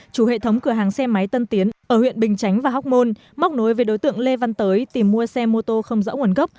chủ hệ thống cửa hàng xe máy tân tiến ở huyện bình chánh và hóc môn móc nối với đối tượng lê văn tới tìm mua xe mô tô không rõ nguồn gốc